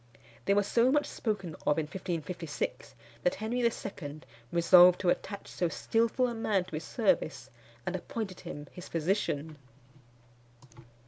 They were so much spoken of in 1556, that Henry II. resolved to attach so skilful a man to his service, and appointed him his physician.